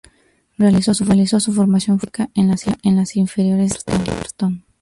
Realizó su formación futbolística en las inferiores de Everton.